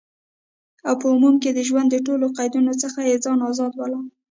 او په عموم کی د ژوند د ټولو قیدونو څخه یی ځان آزاد بلل،